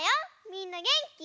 みんなげんき？